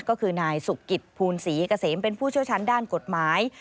ก็คือนายสุกิตภูลศรีเกษมเป็นผู้เชี่ยวชาญด้านกฎหมาย